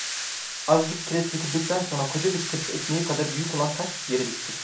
Azıcık kireç döküldükten sonra, koca bir tepsi ekmeği kadar büyük olan taş yere düştü.